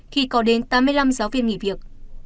khi có đến tám mươi năm giáo viên nghỉ việc